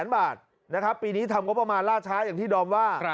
๙๗๐๐๐๐๐บาทปีนี้ทำงบประมาณล่าช้าอย่างที่ดอมว่า